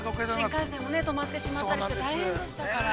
◆新幹線も止まってしまったりして大変でしたから。